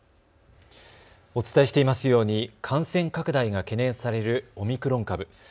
お伝えしていますように感染拡大が懸念されるオミクロン株。